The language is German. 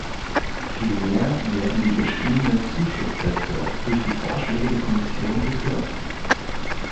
Vielmehr werden die bestehenden Zuschusssätze durch die Vorschläge der Kommission gekürzt.